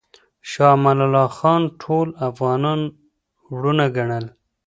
شاه امان الله خان ټول افغانان وروڼه ګڼل.